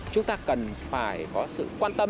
chúng ta cần phải có sự quan tâm